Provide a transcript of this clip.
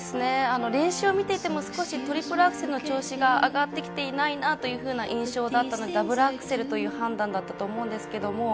練習を見ていても、少しトリプルアクセルの調子が上がってきていないなというふうな印象だったのでダブルアクセルという判断だと思います。